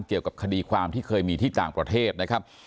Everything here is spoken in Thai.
เกี่ยวกับคดีความที่เคยมีที่ต่างประเทศนะครับ